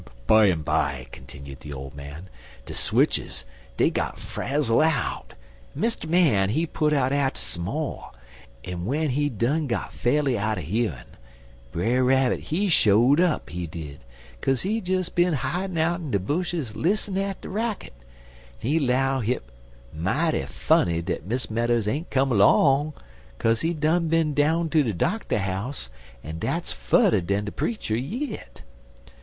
"'Bimeby," continued the old man, "de switches, dey got frazzle out, en Mr. Man, he put out atter mo', en w'en he done got fa'rly outer yearin', Brer Rabbit, he show'd up, he did, kaze he des bin hidin' out in de bushes lis'nin' at de racket, en he 'low hit mighty funny dat Miss Meadows ain't come 'long, kaze he done bin down ter de doctor house, en dat's fudder dan de preacher, yit.